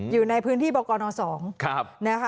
อยู่ในพื้นที่บกน๒นะคะ